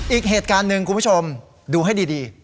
อีกเหตุการณ์หนึ่งคุณผู้ชมดูให้ดี